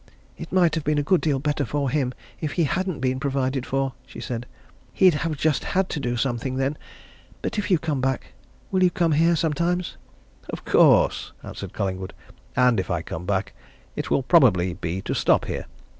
"It might have been a good deal better for him if he hadn't been provided for!" she said. "He'd have just had to do something, then. But if you come back, you'll come here sometimes?" "Of course!" answered Collingwood. "And if I come back, it will probably be to stop here.